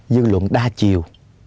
dư luận đa chiều